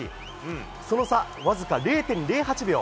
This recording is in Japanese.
その差わずか０．０８秒。